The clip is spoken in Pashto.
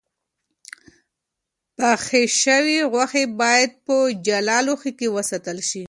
پخې شوې غوښې باید په جلا لوښو کې وساتل شي.